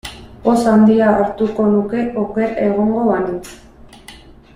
Poz handia hartuko nuke oker egongo banintz.